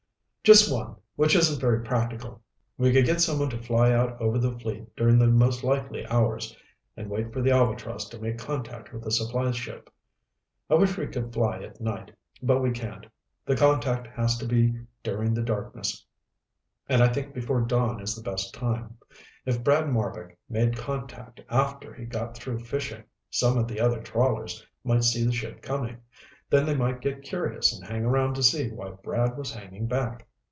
"Just one, which isn't very practical. We could get someone to fly out over the fleet during the most likely hours and wait for the Albatross to make contact with the supply ship. I wish we could fly at night, but we can't. The contact has to be during the darkness, and I think before dawn is the best time. If Brad Marbek made contact after he got through fishing, some of the other trawlers might see the ship coming. Then they might get curious and hang around to see why Brad was hanging back.